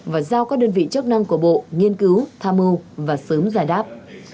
và giao các đơn vị chức năng của bộ nghiên cứu tham mưu và sớm giải đáp